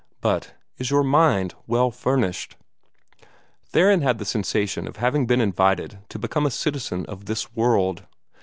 but "Is your mind well furnished?" Theron had the sensation of having been invited to become a citizen of this world.